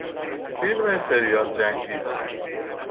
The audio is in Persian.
فیلم سریال جنگی